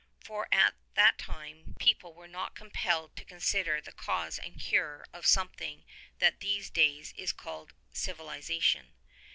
For at that time people were not com pelled to consider the cause and cure of a something that in these days is called "Civilization."